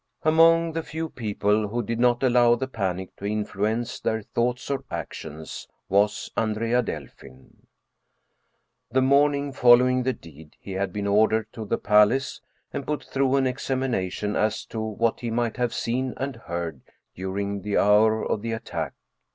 Among the few people who did not allow the panic to influence their thoughts or actions was Andrea Delfin. The morning following the deed he had been ordered to the palace and put through an examination as to what he might have seen and heard during the hour of the attack.